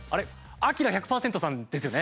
アキラ１００％さんですよね？